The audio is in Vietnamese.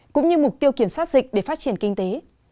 cũng như mục tiêu kiểm soát dịch để phát triển kinh tế